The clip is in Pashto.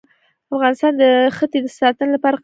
افغانستان د ښتې د ساتنې لپاره قوانین لري.